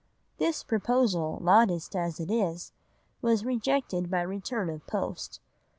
This proposal, modest as it is, was rejected by return of post.